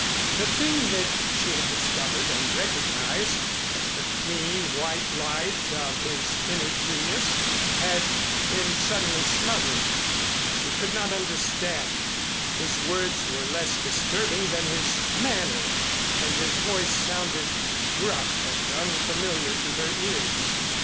The thing that she had discovered and recognized as the clean white light of his inner genius had been suddenly smothered. She could not understand. His words were less disturbing than his manner, and his voice sounded gruff and unfamiliar to her ears.